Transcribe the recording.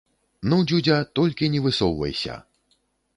Ну дзюдзя, толькі не высоўвайся!